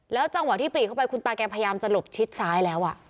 จังหวะที่ปรีเข้าไปคุณตาแกพยายามจะหลบชิดซ้ายแล้ว